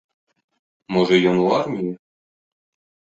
Можа ён у арміі?